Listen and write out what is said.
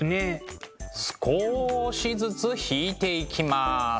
少しずつ引いていきます。